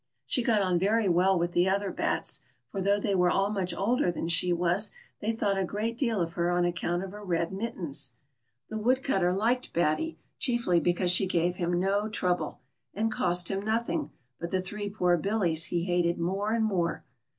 She got on very well with the other bats, for though they were all much older than she was, they thought a great deal of her on account of her red mittens. The Woodcutter liked Batty, chiefly because she gave him no trouble, and cost him nothing, but the three poor Billies he hated more and more.